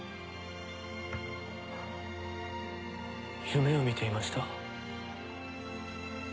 夢を見ていました。